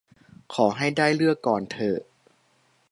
ขอให้ได้เลือกก่อนเถอะ